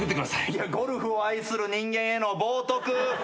いやゴルフを愛する人間への冒涜！